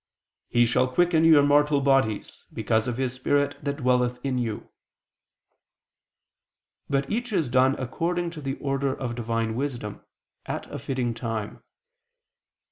. shall quicken ... your mortal bodies, because of His Spirit that dwelleth in you": but each is done according to the order of Divine wisdom, at a fitting time.